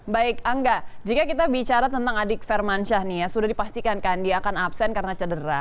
baik angga jika kita bicara tentang adik fermansyah nih ya sudah dipastikan kan dia akan absen karena cedera